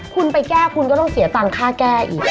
คุณไปแก้คุณก็ต้องเสียตังค่าแก้อีก